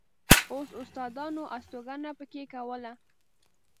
اوس استادانو استوګنه په کې کوله.